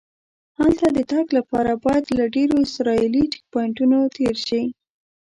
هلته د تګ لپاره باید له ډېرو اسرایلي چیک پواینټونو تېر شې.